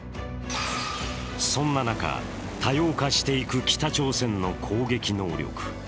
そんな中、多様化していく北朝鮮の攻撃能力。